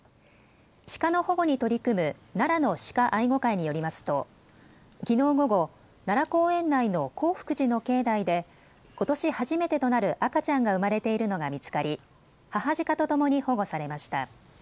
シカの保護に取り組む奈良の鹿愛護会によりますときのう午後、奈良公園内の興福寺の境内でことし初めてとなる赤ちゃんが生まれているのが見つかり母ジカとともに保護されました。